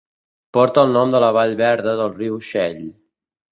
Porta el nom de la vall verda del riu Shell.